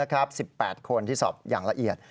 ๑๘คนที่สอบอย่างละเอียด